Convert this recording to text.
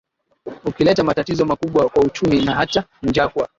ulileta matatizo makubwa kwa uchumi na hata njaa kwa